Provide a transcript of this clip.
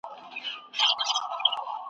زموږ کلي ته نوی ډاکټر راغلی دی.